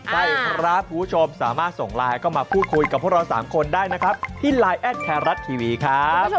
ใช่ครับคุณผู้ชมสามารถส่งไลน์เข้ามาพูดคุยกับพวกเรา๓คนได้นะครับที่ไลน์แอดไทยรัฐทีวีครับ